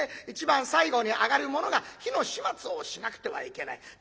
一番最後に上がる者が火の始末をしなくてはいけない。